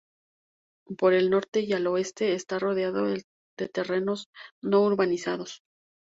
Por el norte y al oeste está rodeado de terrenos no urbanizados.